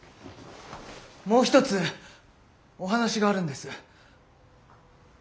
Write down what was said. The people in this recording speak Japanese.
もう一つお話があるんです。